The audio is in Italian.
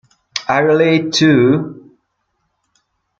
Are you late, too?